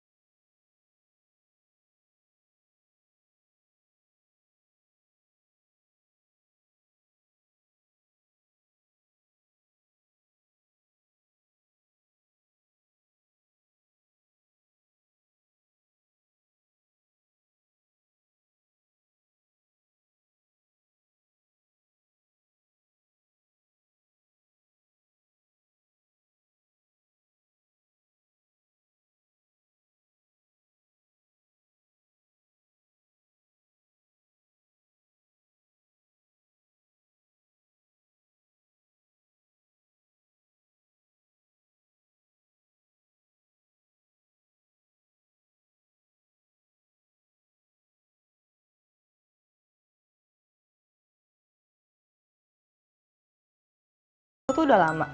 bagaimanapun sudahan mah